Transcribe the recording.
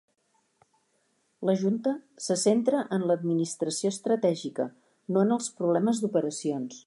La Junta se centra en l'administració estratègica, no en els problemes d'operacions.